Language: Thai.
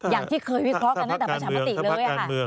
อย่างที่เคยวิเคราะห์กันตั้งแต่ประชามติเลยค่ะ